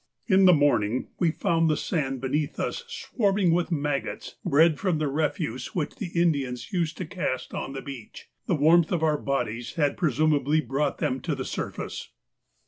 In the morning we found the sand beneath us swarming with maggots bred from the refuse which the Indians used to cast on the beach; the warmth of our bodies had presumably brought them to the surface.